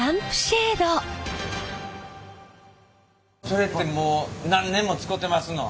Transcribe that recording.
それってもう何年も使てますの？